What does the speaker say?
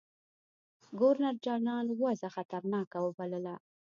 ګورنرجنرال وضع خطرناکه وبلله.